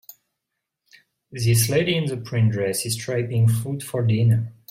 This lady in the print dress is stripping food for dinner.